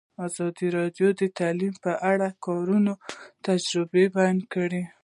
ازادي راډیو د تعلیم په اړه د کارګرانو تجربې بیان کړي.